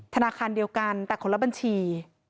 ธนาคารเดียวกันแต่คนละบัญชี